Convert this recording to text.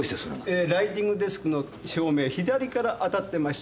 えーライティングデスクの照明左から当たってました。